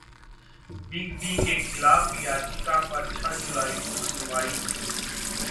big B के खिलाफ याचिका पर छह जुलाई को सुनवाई